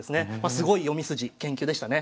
すごい読み筋研究でしたね。